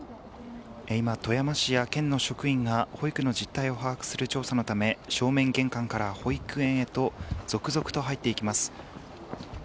今、富山市や県の職員が保育の実態の調査のため正面玄関から保育園へと続々と入っていきます。